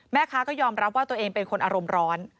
แม่ค้าก็ยอมรับว่าตัวเองเป็นคนอารมณ์ร้อน